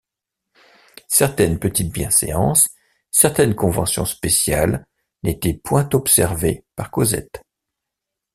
Certaines petites bienséances, certaines conventions spéciales, n’étaient point observées par Cosette.